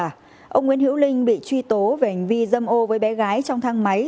ông nguyễn hữu linh bị truy tố về hành vi dâm ô với bé gái trong thang máy